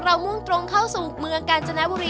มุ่งตรงเข้าสู่เมืองกาญจนบุรี